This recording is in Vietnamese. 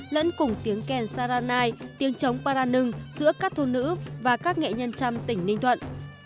lẫn cùng tiếng kèn saranai tiếng trống paranung giữa các thôn nữ và các nghệ nhân trăm tỉnh ninh thuận